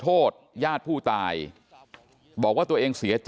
ตลอดทั้งคืนตลอดทั้งคืน